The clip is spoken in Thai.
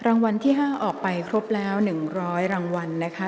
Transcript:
รางวัลที่ห้าออกไปครบแล้วหนึ่งร้อยรางวัลนะคะ